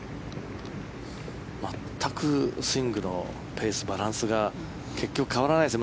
全くスイングのペース、バランスが結局、変わらないですね。